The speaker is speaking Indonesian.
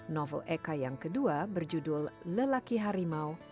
novel eka yang kedua berjudul lelaki harimau